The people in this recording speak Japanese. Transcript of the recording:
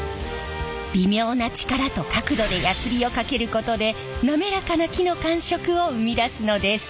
微妙な力と角度でやすりをかけることで滑らかな木の感触を生み出すのです。